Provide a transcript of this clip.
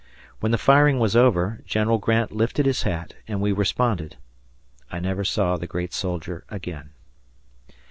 When the firing was over, General Grant lifted his hat, and we responded. I never saw the great soldier again.